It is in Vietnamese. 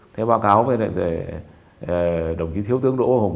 thế báo cáo với đồng chí thiếu tướng đỗ hùng